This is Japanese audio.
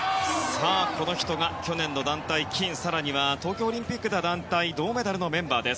この人が去年の団体金更には東京オリンピックでは団体銅メダルのメンバーです。